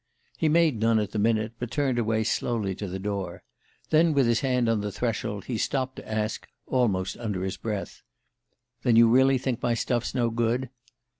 "He made none at the minute, but turned away slowly to the door. There, with his hand on the threshold, he stopped to ask, almost under his breath: 'Then you really think my stuff's no good?